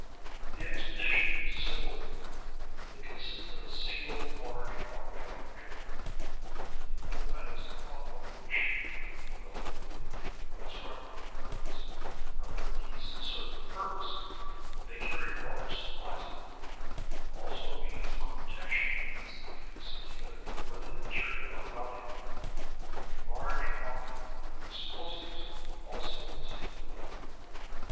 The expedition was a simple one. It consisted of a single large auto truck and trailer, the only items of automotive machinery that the twelve had been able to reconstruct from the ruins. However, these served the purpose; they carried large supplies of food, also means for protection against the bees, together with abundant material for routing them. A large quantity of crude explosives also was included.